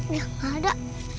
ya gak ada